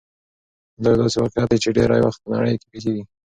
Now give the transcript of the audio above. دا يو داسې واقعيت دی چې ډېری وخت په نړۍ کې پېښېږي.